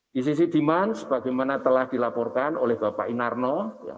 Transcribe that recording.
di sisi demand sebagaimana telah dilaporkan oleh bapak inarno